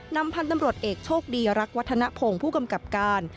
พันธุ์ตำรวจเอกโชคดีรักวัฒนภงผู้กำกับการ